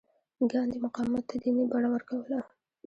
ګاندي مقاومت ته دیني بڼه ورکوله.